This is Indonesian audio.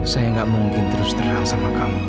saya nggak mungkin terus terang sama kamu